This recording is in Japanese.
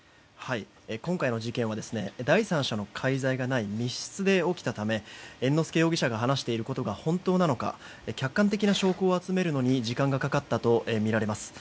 今回の事件は第三者の介在がない密室で起きたため猿之助容疑者が話していることが本当なのか客観的な証拠を集めるのに時間がかかったとみられます。